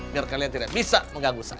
biar kalian tidak bisa mengganggu saya